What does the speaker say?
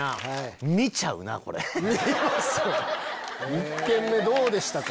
１件目どうでしたか？